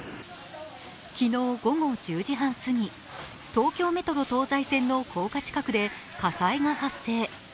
昨日午後１０時半過ぎ、東京メトロ東西線の高架近くで火災が発生。